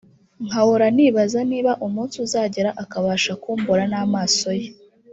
nkahora nibaza niba umunsi uzagera akabasha kumbona n’amaso ye